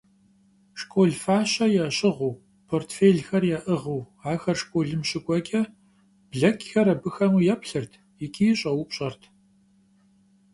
Школ фащэ ящыгъыу, портфелхэр яӀыгъыу ахэр школым щыкӀуэкӀэ, блэкӀхэр абыхэм еплъырт икӀи щӀэупщӀэрт: